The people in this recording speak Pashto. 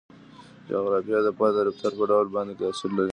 جغرافیه د فرد د رفتار په ډول باندې تاثیر لري.